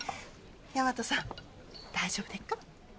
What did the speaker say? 大和さん大丈夫でっか？